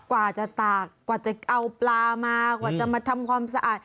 กว่าจะตากกว่าจะเอาปลามากว่าจะมาทำความสะอาด